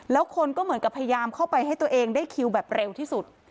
แล้วคนก็เหมือนกับพยายามเข้าไปให้ตัวเองได้คิวแบบเร็วที่สุด